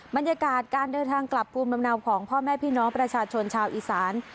บรรยากาศการเดินทางกลับภูมิลำเนาของพ่อแม่พี่น้องประชาชนชาวอีสาน